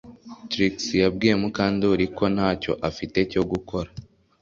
Trix yabwiye Mukandoli ko ntacyo afite cyo gukora